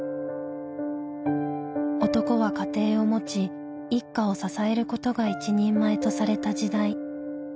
男は家庭を持ち一家を支えることが一人前とされた時代。